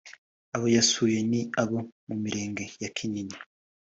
Abo yasuye ni abo mu mirenge ya Kinyinya